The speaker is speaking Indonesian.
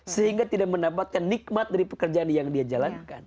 sehingga tidak mendapatkan nikmat dari pekerjaan yang dia jalankan